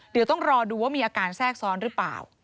เดี๋ยวต้องรอดูว่ามีอาการแทรกซ้อนหรือเปล่า